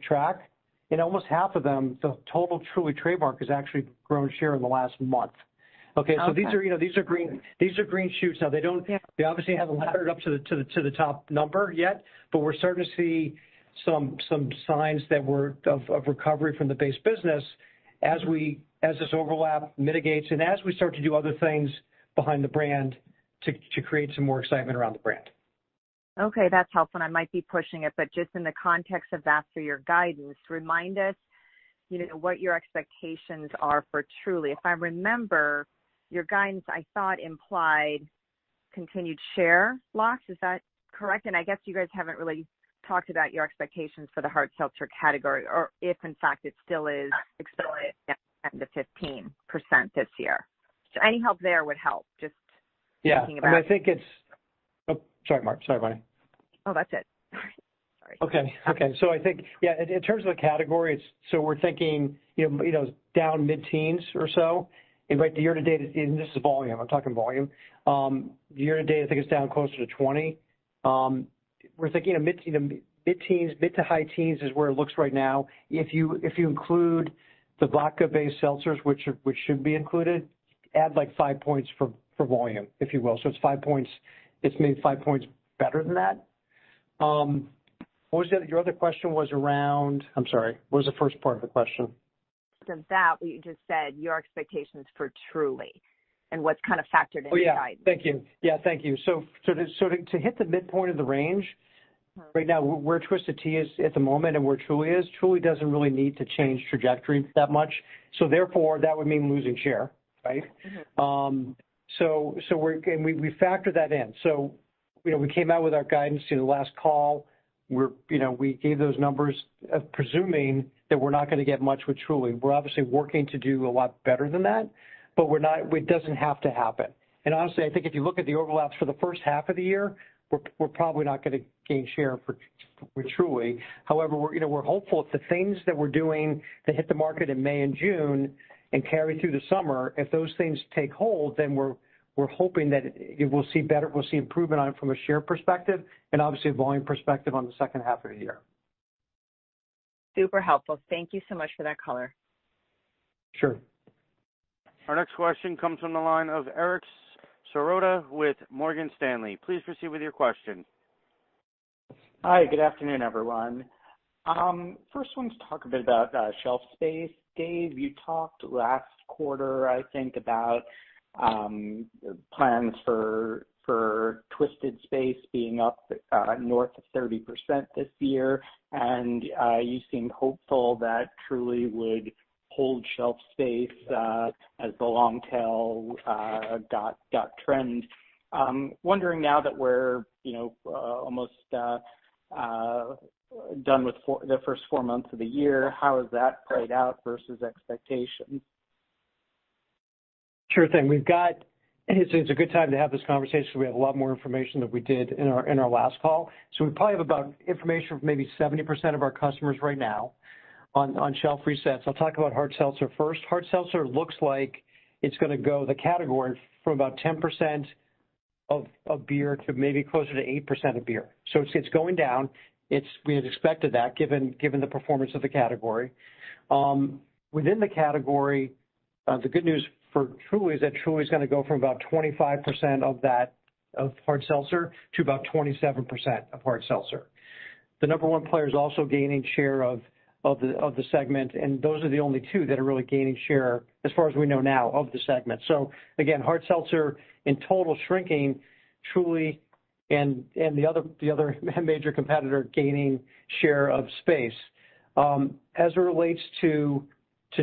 track.In almost half of them, the total Truly trademark has actually grown share in the last month. Okay? Okay. these are, you know, these are green, these are green shoots. Now they don't- Yeah. They obviously haven't laddered up to the top number yet. We're starting to see some signs that we're of recovery from the base business as this overlap mitigates and as we start to do other things behind the brand to create some more excitement around the brand. Okay, that's helpful, and I might be pushing it, but just in the context of that, for your guidance, remind us, you know, what your expectations are for Truly. If I remember, your guidance, I thought, implied continued share loss. Is that correct? I guess you guys haven't really talked about your expectations for the Hard Seltzer category or if in fact it still is accelerating at the 15% this year. Any help there would help. Yeah. I think it's. Oh, sorry, Mark. Sorry, Bonnie. Oh, that's it. Sorry. Okay. Okay. I think, yeah, in terms of the category, we're thinking, you know, you know, down mid-teens or so. In fact, the year-to-date, and this is volume, I'm talking volume. Year-to-date, I think it's down closer to 20. We're thinking of mid-teens, mid to high teens is where it looks right now. If you include the vodka-based seltzers, which should be included, add like 5 points for volume, if you will. It's 5 points, it's maybe 5 points better than that. What was the other? Your other question was around. I'm sorry. What was the first part of the question? Since that, what you just said, your expectations for Truly and what's kind of factored in your guidance. Oh, yeah. Thank you. Yeah, thank you. To hit the midpoint of the range, right now, where Twisted Tea is at the moment and where Truly is, Truly doesn't really need to change trajectory that much. Therefore, that would mean losing share, right? Mm-hmm. We factor that in. You know, we came out with our guidance in the last call. We're, you know, we gave those numbers, presuming that we're not gonna get much with Truly. We're obviously working to do a lot better than that, but it doesn't have to happen. Honestly, I think if you look at the overlaps for the first half of the year, we're probably not gonna gain share for, with Truly. However, we're, you know, hopeful if the things that we're doing that hit the market in May and June and carry through the summer, if those things take hold, then we're hoping that it will see improvement on it from a share perspective and obviously a volume perspective on the second half of the year. Super helpful. Thank you so much for that color. Sure. Our next question comes from the line of Eric Serotta with Morgan Stanley. Please proceed with your question. Hi, good afternoon, everyone. First want to talk a bit about shelf space. Dave, you talked last quarter, I think about plans for Twisted space being up north of 30% this year. You seemed hopeful that Truly would hold shelf space as the long tail dot dot trend. Wondering now that we're, you know, almost done with the first four months of the year, how has that played out versus expectations? Sure thing. It's a good time to have this conversation, we have a lot more information than we did in our last call. We probably have about information from maybe 70% of our customers right now on shelf resets. I'll talk about Hard Seltzer first. Hard Seltzer looks like it's gonna go the category from about 10% of beer to maybe closer to 8% of beer. It's going down. We had expected that given the performance of the category. Within the category, the good news for Truly is that Truly is gonna go from about 25% of that Hard Seltzer to about 27% of Hard Seltzer. The number one player is also gaining share of the segment. Those are the only two that are really gaining share as far as we know now of the segment. Again, Hard Seltzer in total shrinking Truly and the other major competitor gaining share of space. As it relates to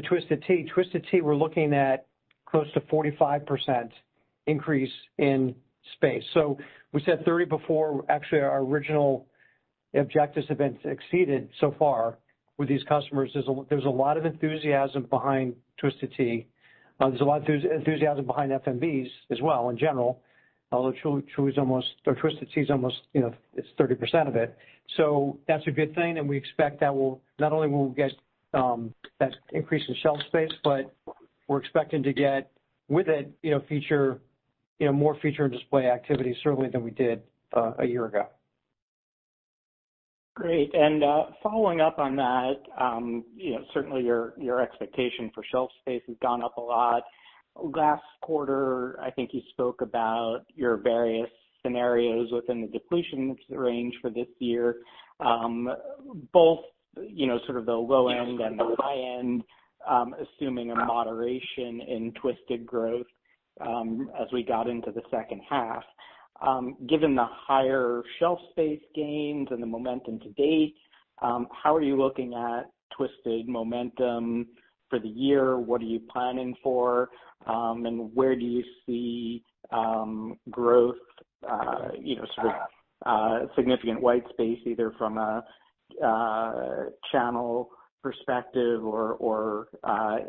Twisted Tea. Twisted Tea, we're looking at close to 45% increase in space. We said 30 before. Actually, our original objectives have been exceeded so far with these customers. There's a lot of enthusiasm behind Twisted Tea. There's a lot of enthusiasm behind FMBs as well in general, although Twisted Tea is almost, you know, it's 30% of it. That's a good thing, and we expect that not only will we get that increase in shelf space, but we're expecting to get with it, you know, feature, you know, more feature and display activity certainly than we did a year ago. Great. Following up on that, you know, certainly your expectation for shelf space has gone up a lot. Last quarter, I think you spoke about your various scenarios within the depletion range for this year, both, you know, sort of the low end and the high end, assuming a moderation in Twisted growth, as we got into the second half. Given the higher shelf space gains and the momentum to date, how are you looking at Twisted momentum for the year? What are you planning for? Where do you see growth, you know, sort of, significant white space, either from a channel perspective or,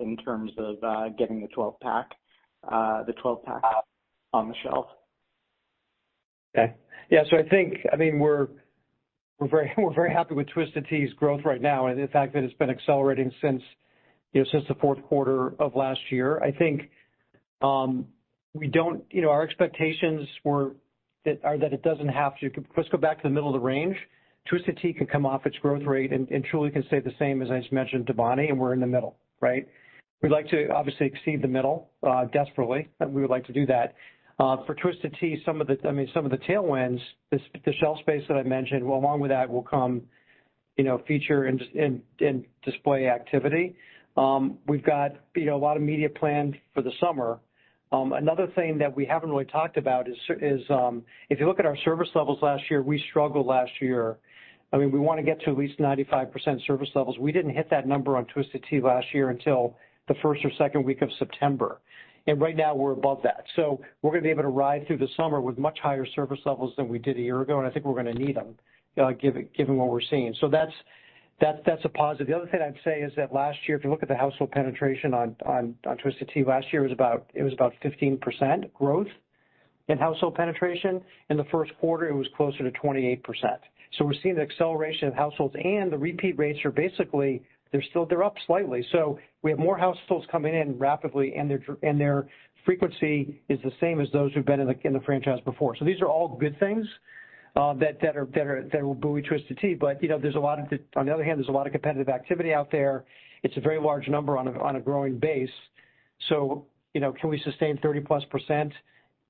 in terms of, getting the 12-pack on the shelf? Okay. Yeah. I mean we're very, very happy with Twisted Tea's growth right now, and the fact that it's been accelerating since, you know, since the fourth quarter of last year. I think we don't, you know, our expectations are that it doesn't have to. Let's go back to the middle of the range. Twisted Tea can come off its growth rate, and Truly can stay the same, as I just mentioned, to Bonnie, and we're in the middle, right? We'd like to obviously exceed the middle desperately, and we would like to do that. For Twisted Tea, I mean, some of the tailwinds, the shelf space that I mentioned, along with that will come you know, feature and display activity. We've got, you know, a lot of media planned for the summer. Another thing that we haven't really talked about is if you look at our service levels last year, we struggled last year. I mean, we wanna get to at least 95% service levels. We didn't hit that number on Twisted Tea last year until the first or second week of September. Right now we're above that. We're gonna be able to ride through the summer with much higher service levels than we did a year ago, and I think we're gonna need them, given what we're seeing. That's a positive. The other thing I'd say is that last year, if you look at the household penetration on Twisted Tea last year, it was about 15% growth in household penetration. In the first quarter, it was closer to 28%. We're seeing the acceleration of households and the repeat rates are basically, they're still, they're up slightly. We have more households coming in rapidly and their frequency is the same as those who've been in the franchise before. These are all good things that will buoy Twisted Tea. You know, on the other hand, there's a lot of competitive activity out there. It's a very large number on a growing base. You know, can we sustain 30%+?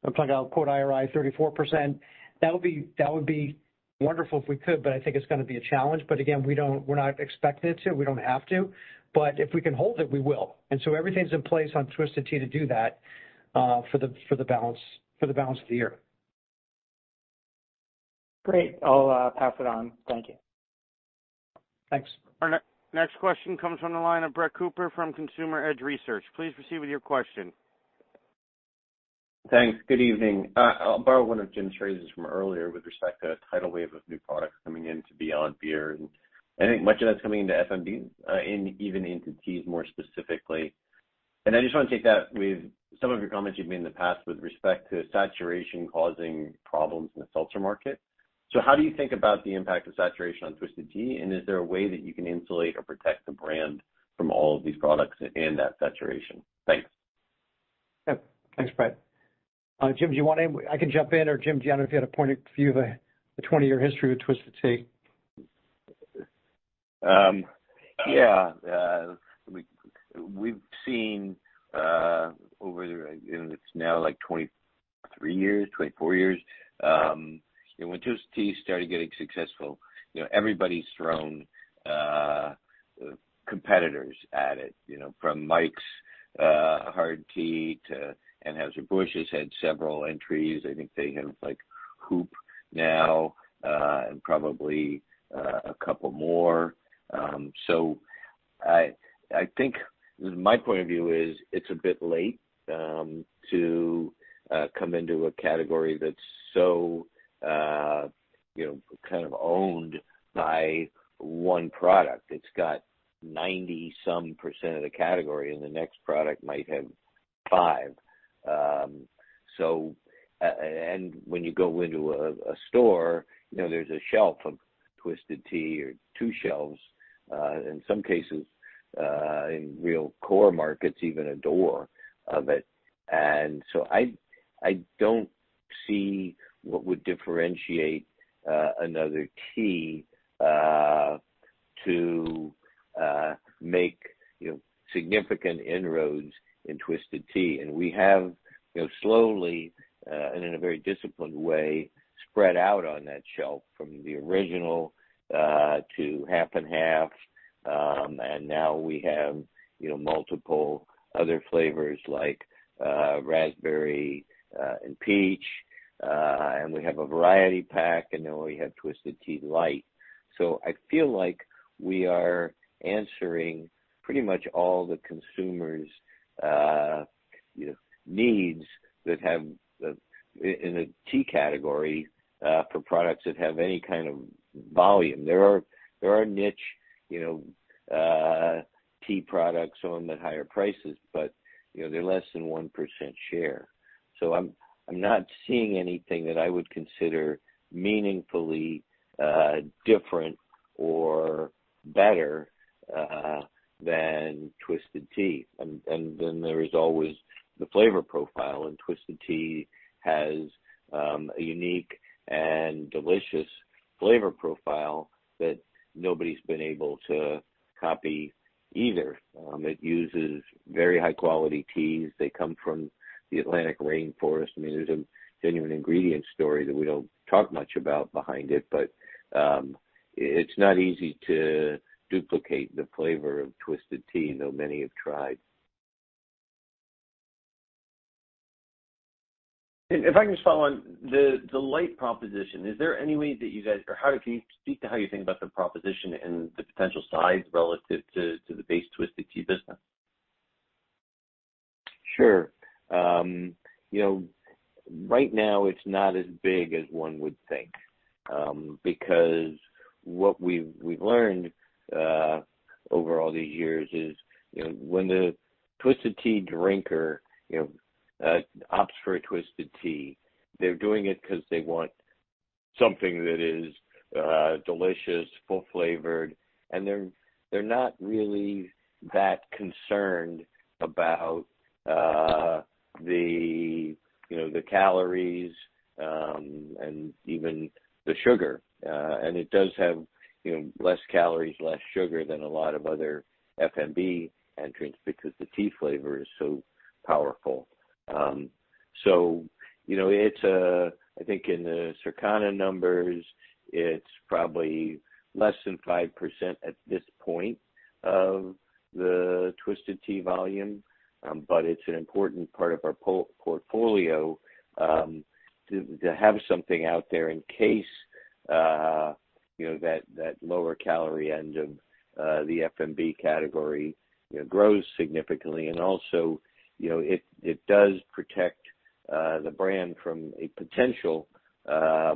I'm talking about quote IRI 34%. That would be wonderful if we could, but I think it's gonna be a challenge. Again, we're not expected to, we don't have to. If we can hold it, we will. Everything's in place on Twisted Tea to do that for the balance of the year. Great. I'll pass it on. Thank you. Thanks. Our next question comes from the line of Brett Cooper from Consumer Edge Research. Please proceed with your question. Thanks. Good evening. I'll borrow one of Jim's phrases from earlier with respect to a tidal wave of new products coming in to Beyond Beer. I think much of that's coming into FMBs, and even into teas more specifically. I just wanna take that with some of your comments you've made in the past with respect to saturation causing problems in the seltzer market. How do you think about the impact of saturation on Twisted Tea, and is there a way that you can insulate or protect the brand from all of these products and that saturation? Thanks. Yep. Thanks, Brett. Jim, I can jump in or Jim, if you had a point of view of the 20-year history with Twisted Tea? Yeah. We've seen over the, you know, it's now like 23 years, 24 years. When Twisted Tea started getting successful, everybody's thrown competitors at it, from Mike's Hard Tea to Anheuser-Busch has had several entries. I think they have like Hoop now, and probably a couple more. I think my point of view is it's a bit late to come into a category that's so, you know, kind of owned by one product. It's got 90 some % of the category, and the next product might have 5. When you go into a store, there's a shelf of Twisted Tea or 2 shelves, in some cases, in real core markets, even a door of it. I don't see what would differentiate another tea to make, you know, significant inroads in Twisted Tea. We have, you know, slowly and in a very disciplined way, spread out on that shelf from the original to half and half. Now we have, you know, multiple other flavors like raspberry and peach. We have a variety pack, and then we have Twisted Tea Light. I feel like we are answering pretty much all the consumer's, you know, needs that have in a tea category for products that have any kind of volume. There are, there are niche, you know, tea products on the higher prices, but, you know, they're less than 1% share. I'm not seeing anything that I would consider meaningfully different or better than Twisted Tea. Then there is always the flavor profile, and Twisted Tea has a unique and delicious flavor profile that nobody's been able to copy either. It uses very high-quality teas. They come from the Atlantic Rainforest. I mean, there's a genuine ingredient story that we don't talk much about behind it, but it's not easy to duplicate the flavor of Twisted Tea, though many have tried. If I can just follow on the light proposition, is there any way that you guys, or how can you speak to how you think about the proposition and the potential size relative to the base Twisted Tea business? Sure. you know, right now it's not as big as one would think, because what we've learned, over all these years is, you know, when the Twisted Tea drinker, you know, opts for a Twisted Tea, they're doing it 'cause they want something that is delicious, full flavored, and they're not really that concerned about the, you know, the calories, and even the sugar. It does have, you know, less calories, less sugar than a lot of other FMB entrants because the tea flavor is so powerful. you know, it's a... I think in the Circana numbers, it's probably less than 5% at this point of the Twisted Tea volume. It's an mportant part of our portfolio, to have something out there in case, you know, that lower calorie end of the FMB category, you know, grows significantly. You know, it does protect the brand from a potential,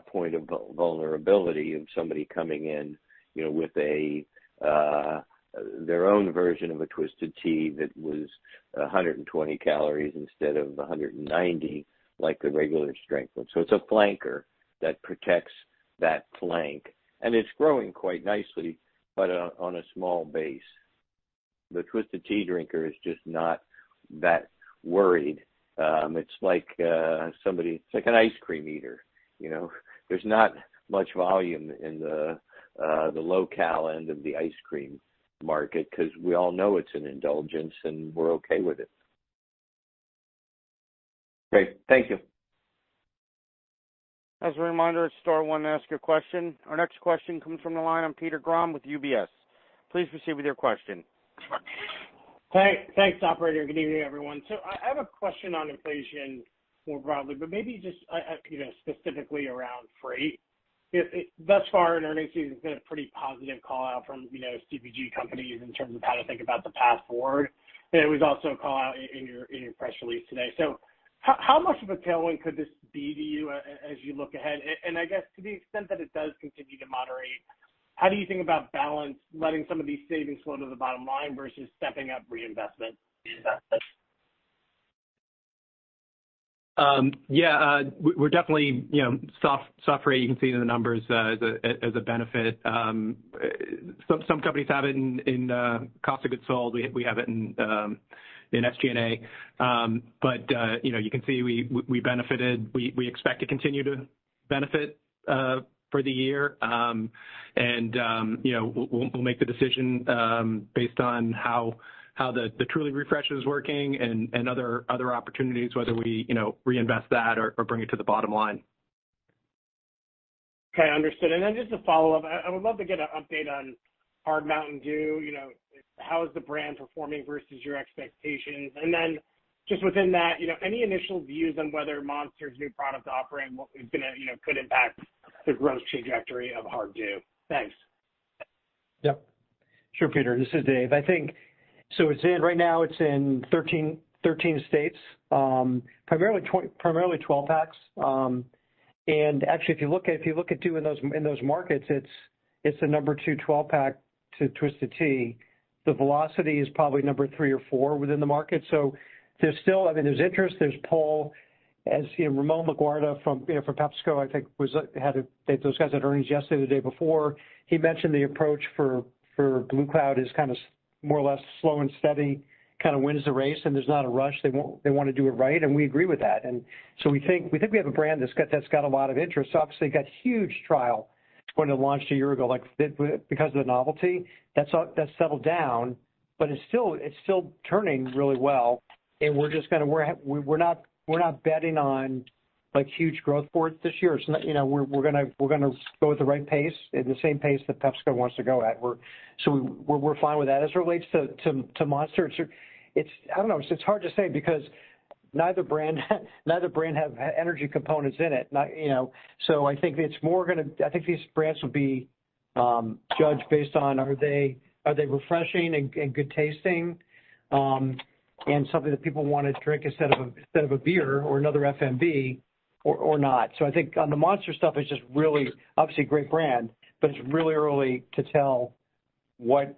point of vulnerability of somebody coming in, you know, with their own version of a Twisted Tea that was 120 calories instead of 190, like the regular strength one. It's a flanker that protects that flank, and it's growing quite nicely, but on a small base. The Twisted Tea drinker is just not that worried. It's like somebody. It's like an ice cream eater, you know? There's not much volume in the low-cal end of the ice cream market 'cause we all know it's an indulgence, and we're okay with it. Great. Thank you. As a reminder, star 1 to ask your question. Our next question comes from the line on Peter Grom with UBS. Please proceed with your question. Thanks, operator. Good evening, everyone. I have a question on inflation more broadly, but maybe just, you know, specifically around freight. Thus far in earnings season, it's been a pretty positive call out from, you know, CPG companies in terms of how to think about the path forward. It was also a call out in your press release today. How much of a tailwind could this be to you as you look ahead? I guess to the extent that it does continue to moderate, how do you think about balance, letting some of these savings flow to the bottom line versus stepping up reinvestment? Yeah, we're definitely, you know, software you can see in the numbers as a benefit. Some companies have it in cost of goods sold. We have it in SG&A. You know, you can see we benefited. We expect to continue to benefit for the year. You know, we'll make the decision based on how the Truly Refresh is working and other opportunities whether we, you know, reinvest that or bring it to the bottom line. Okay, understood. Just a follow-up. I would love to get an update on HARD MTN DEW. You know, how is the brand performing versus your expectations? Just within that, you know, any initial views on whether Monster's new product offering what is gonna, you know, could impact the growth trajectory of Hard Dew? Thanks. Yep. Sure, Peter, this is Dave. I think so right now it's in 13 states, primarily 12 packs. And actually, if you look at two in those, in those markets, it's the number 2 12-pack to Twisted Tea. The velocity is probably number 3 or 4 within the market. There's still, I mean, there's interest, there's pull. As, you know, Ramon Laguarta from, you know, from PepsiCo, I think those guys had earnings yesterday or the day before. He mentioned the approach for Blue Cloud is kind of more or less slow and steady, kind of wins the race, and there's not a rush. They wanna do it right. We agree with that. We think we have a brand that's got a lot of interest. Obviously it got huge trial when it launched a year ago, like because of the novelty. That's all that's settled down, but it's still turning really well and we're just gonna, we're not betting on like huge growth for it this year. It's not, you know, we're gonna go at the right pace, at the same pace that PepsiCo wants to go at. We're fine with that. As it relates to Monster, it's, I don't know, it's hard to say because neither brand have energy components in it. Not, you know, I think it's more I think these brands will be judged based on are they refreshing and good tasting, and something that people want to drink instead of a beer or another FMB or not. I think on the Monster stuff is just really, obviously great brand, but it's really early to tell what,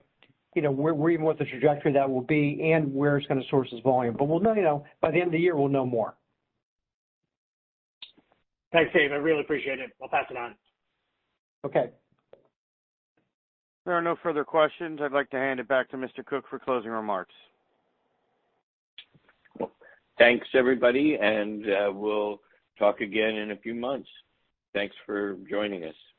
you know, where even what the trajectory of that will be and where it's gonna source its volume. We'll know, you know, by the end of the year, we'll know more. Thanks, Dave. I really appreciate it. I'll pass it on. Okay. There are no further questions. I'd like to hand it back to Mr. Koch for closing remarks. Well, thanks everybody, and we'll talk again in a few months. Thanks for joining us.